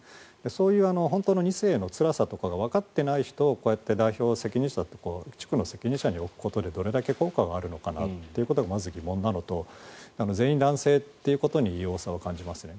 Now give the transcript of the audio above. そういう本当の２世のつらさがわかっていない人たちをこうやって代表責任者地区の責任者に置くことでどれだけ効果があるのかがまず疑問なのと全員男性ということに疑問を感じますね。